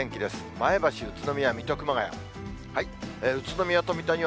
前橋、宇都宮、水戸、熊谷。